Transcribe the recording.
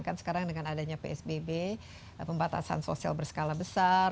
kan sekarang dengan adanya psbb pembatasan sosial berskala besar